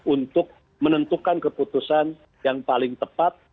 untuk menentukan keputusan yang paling tepat